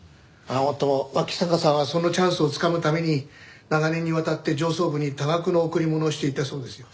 もっとも脇坂さんはそのチャンスをつかむために長年にわたって上層部に多額の贈り物をしていたそうですよ。